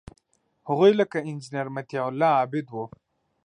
هغوی لکه انجینیر مطیع الله عابد وو.